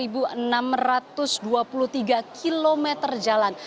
pada tahun dua ribu enam belas dua puluh tiga km jalan